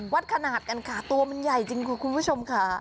วัดขนาดกันค่ะตัวมันใหญ่จริงค่ะคุณผู้ชมค่ะ